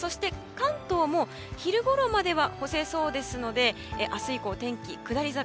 関東も昼ごろまでは干せそうですので明日以降、天気下り坂。